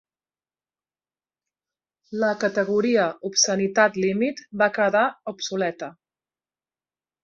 La categoria "obscenitat límit" va quedar obsoleta.